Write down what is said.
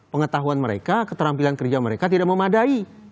pengetahuan mereka keterampilan kerja mereka tidak memadai